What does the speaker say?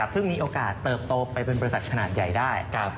ซึ่งมีโอกาสเติบโตไปเป็นบริษัทขนาดใหญ่ได้